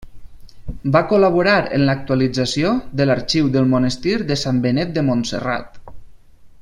Va col·laborar en l'actualització de l'Arxiu del Monestir de Sant Benet de Montserrat.